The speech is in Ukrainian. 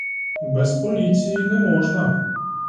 Без поліції не можна!